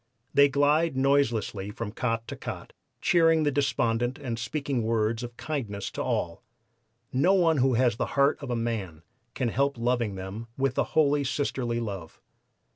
They glide noiselessly from cot to cot cheering the despondent and speaking words of kindness to all. No one who has the heart of a man can help loving them with a holy sisterly love.